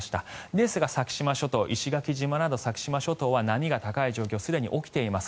ですが先島諸島石垣島など先島諸島は波が高い状況がすでに起きています。